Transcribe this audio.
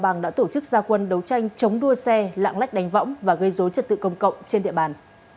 bằng đã tổ chức gia quân đấu tranh chống đua xe lạng lách đánh võng và gây dối trật tự công cộng trên địa bàn